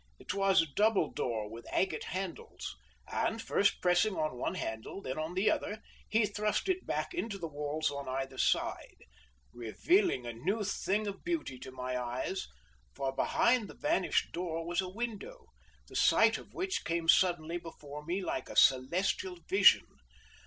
It was a double door with agate handles, and, first pressing on one handle, then on the other, he thrust it back into the walls on either side, revealing a new thing of beauty to my eyes, for behind the vanished door was a window, the sight of which came suddenly before me like a celestial vision.